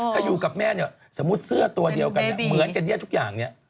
ถ้าอยู่กับแม่เนี่ยสมมุติเสื้อตัวเดียวกันเนี่ยเหมือนกันเนี่ยทุกอย่างเนี่ย